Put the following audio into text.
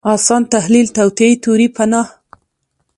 اسان تحلیل توطیې تیوري پناه